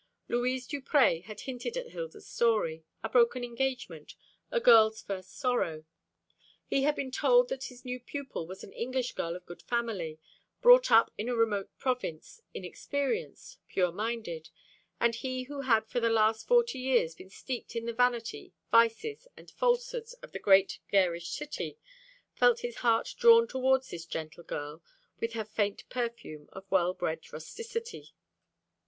Louise Duprez had hinted at Hilda's story a broken engagement, a girl's first sorrow. He had been told that his new pupil was an English girl of good family, brought up in a remote province, inexperienced, pure minded; and he who had for the last forty years been steeped in the vanity, vices, and falsehoods of the great garish city felt his heart drawn towards this gentle girl, with her faint perfume of well bred rusticity.